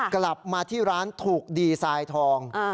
กลับมาที่ร้านถูกดีไซน์ทอง